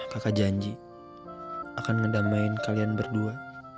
kakak janji akan ngedamaikan kalian berdua